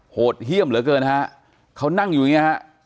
หดเที่ยมเหลือเกินนะครับเขานั่งอยู่เนี่ยครับ